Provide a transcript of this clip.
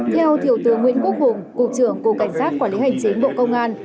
theo thiểu tướng nguyễn quốc hùng cục trưởng của cảnh sát quản lý hành chính bộ công an